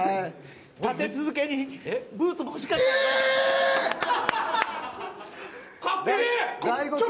立て続けにブーツも欲しかったでしょ。